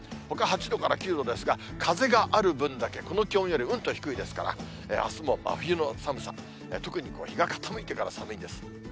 ほか８度から９度ですが、風がある分だけこの気温よりうんと低いですから、あすも真冬の寒さ、特に日が傾いてから寒いんです。